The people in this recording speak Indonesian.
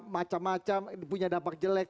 macam macam punya dampak jelek